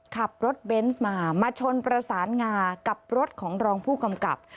ขับรถเบนส์มามาชนประสานงากับรถของรองผู้กำกับ